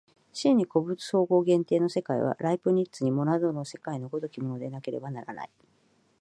真に個物相互限定の世界は、ライプニッツのモナドの世界の如きものでなければならない。